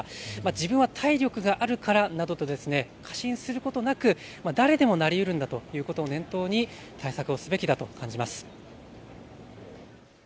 自分は体力があるからなどと過信することなく誰でもなりうるんだということを念頭に対策をすることがすべてだと感じます。